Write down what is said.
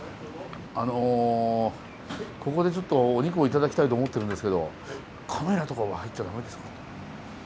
あのここでちょっとお肉を頂きたいと思ってるんですけどカメラとかは入っちゃ駄目ですか？